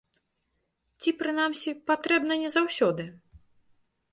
Ці, прынамсі, патрэбна не заўсёды?